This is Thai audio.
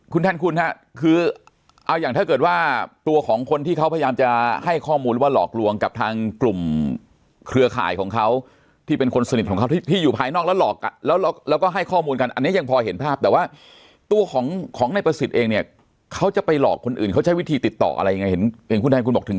คุณแทนคุณฮะคือเอาอย่างถ้าเกิดว่าตัวของคนที่เขาพยายามจะให้ข้อมูลหรือว่าหลอกลวงกับทางกลุ่มเครือข่ายของเขาที่เป็นคนสนิทของเขาที่อยู่ภายนอกแล้วหลอกอ่ะแล้วแล้วก็ให้ข้อมูลกันอันนี้ยังพอเห็นภาพแต่ว่าตัวของนายประสิทธิ์เองเนี่ยเขาจะไปหลอกคนอื่นเขาใช้วิธีติดต่ออะไรยังไงเห็นอย่างคุณแทนคุณบอกถึง